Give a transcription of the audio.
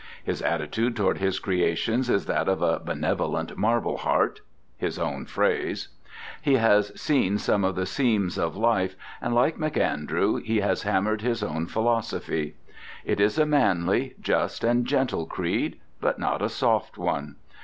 His attitude toward his creations is that of a "benevolent marbleheart" (his own phrase). He has seen some of the seams of life, and like McAndrew he has hammered his own philosophy. It is a manly, just, and gentle creed, but not a soft one.